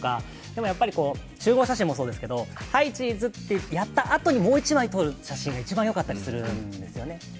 でもやっぱり集合写真もそうですけど、はいチーズとやったあとにやったあとにもう一枚撮る写真が一番よかったりするんですよね。